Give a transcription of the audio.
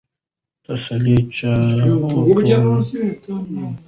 تسلي چا ورکړې وه؟